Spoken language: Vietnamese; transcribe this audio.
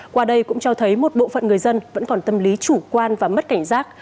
qua đây cũng cho thấy một bộ phận người dân vẫn còn tâm lý chủ quan và mất cảnh giác